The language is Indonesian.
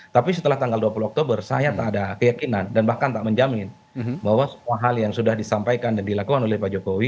tapi setelah tanggal dua puluh oktober saya tak ada keyakinan dan bahkan tak menjamin bahwa semua hal yang sudah disampaikan dan dilakukan oleh pak jokowi